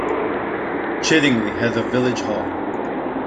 Chiddingly has a village hall.